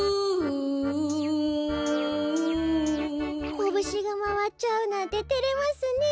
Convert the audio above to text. コブシがまわっちゃうなんててれますねえ。